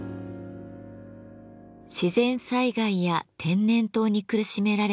自然災害や天然痘に苦しめられた奈良時代。